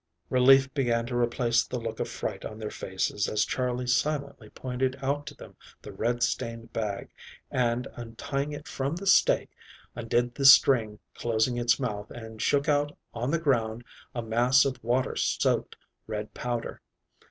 Relief began to replace the look of fright on their faces as Charley silently pointed out to them the red stained bag and, untying it from the stake, undid the string closing its mouth and shook out on the ground a mass of water soaked red powder.